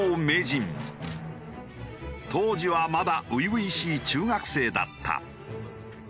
当時はまだ初々しい中学生だった。